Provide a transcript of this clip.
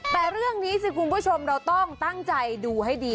แต่เรื่องนี้สิคุณผู้ชมเราต้องตั้งใจดูให้ดี